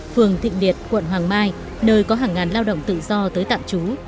phường thịnh liệt quận hoàng mai nơi có hàng ngàn lao động tự do tới tạm trú